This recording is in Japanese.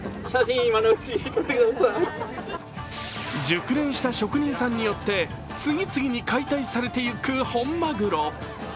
熟練した職人さんによって次々に解体されていく本マグロ。